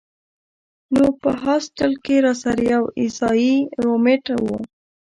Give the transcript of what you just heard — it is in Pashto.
نو پۀ هاسټل کښې راسره يو عيسائي رومېټ وۀ